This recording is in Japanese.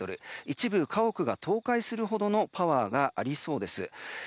一部、家屋が倒壊するほどのパワーがありそうです。